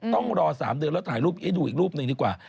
ต้องรอ๓เดือนแล้วถ่ายรูปให้ดูอีกรูปหนึ่งดีกว่า